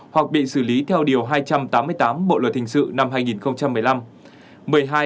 hoặc bị xử lý theo điều hai trăm tám mươi tám bộ luật hình sự năm hai nghìn một mươi năm